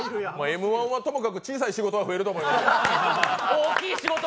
「Ｍ−１」はともかく、小さい仕事は増えると思います。